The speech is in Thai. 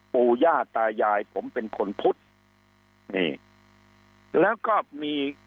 ปู่ย่าตายายผมเป็นคนพุทธนี่แล้วก็มี